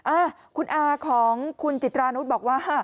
อ่าคุณอาของคุณจิตรานุษย์บอกว่า